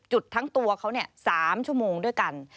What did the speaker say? จุดทั้งตัวเขา๓ชั่วโมงด้วยกัน